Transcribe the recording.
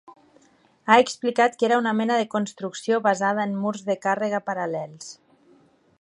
Ha explicat que era una mena de construcció basada en murs de càrrega paral·lels.